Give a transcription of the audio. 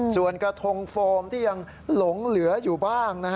ส่วนกระทงโฟมที่ยังหลงเหลืออยู่บ้าง